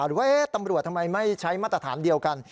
หรือว่าตำรวจทำไมไม่ใช้มาตรฐานเดียวกัน